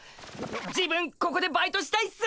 自分ここでバイトしたいっす！